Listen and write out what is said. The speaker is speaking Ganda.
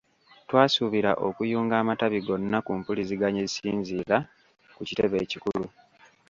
Twasuubirwa okuyunga amatabi gonna ku mpuliziganya esinziira ku kitebe ekikulu.